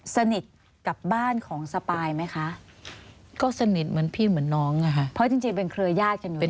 สนิทกับบ้านของสปายไหมคะก็สนิทเหมือนพี่เหมือนน้องอะค่ะเพราะจริงเป็นเครือยาศกันอยู่